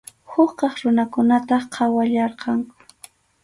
Huk kaq runakunataq qhawallawarqanku.